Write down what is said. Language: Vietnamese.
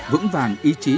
vững vàng ý chí